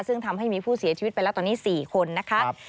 ซึ่งทำให้มีผู้เสียชีวิตไปแล้วตอนนี้๔คนนะคะ